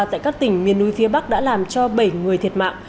tại các tỉnh miền núi phía bắc đã làm cho bảy người thiệt mạng